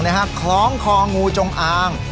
ต้องใช้อุปกรณ์ไม้ห่วงนะครับคล้องคองงูจงอาง